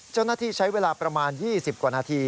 เจ้าหน้าที่ใช้เวลาประมาณ๒๐กว่านาที